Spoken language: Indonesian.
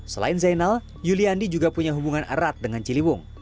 selain zainal yuliandi juga punya hubungan erat dengan ciliwung